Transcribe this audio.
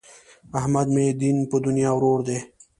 احمد مې دین په دنیا ورور دی.